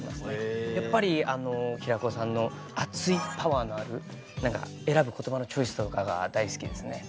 やっぱりあの平子さんの熱いパワーのある何か選ぶ言葉のチョイスとかが大好きですね。